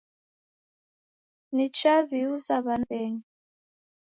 Nichaw'iuza w'ana w'enyu